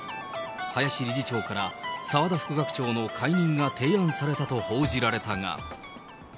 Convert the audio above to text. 林理事長から、澤田副学長の解任が提案されたと報じられたが。